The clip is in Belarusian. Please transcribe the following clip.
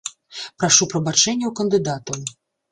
Прашу прабачэння ў кандыдатаў.